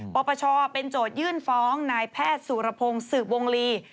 ปปชเป็นโจทยื่นฟ้องนายแพทย์สุรพงศ์สืบวงลี